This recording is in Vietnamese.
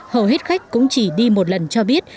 hầu hết khách cũng chỉ đi một lần cho biết